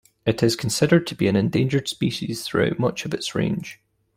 It is considered to be an endangered species throughout much of its range.